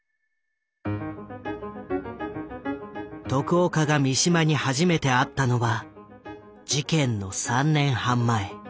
徳岡が三島に初めて会ったのは事件の３年半前。